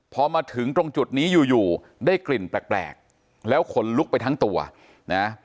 พอมาถึงตรงจุดนี้อยู่อยู่ได้กลิ่นแปลกแล้วขนลุกไปทั้งตัวนะ